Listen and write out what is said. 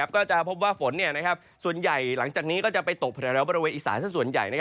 ก็จะพบว่าฝนส่วนใหญ่หลังจากนี้ก็จะไปตกแถวบริเวณอีสานสักส่วนใหญ่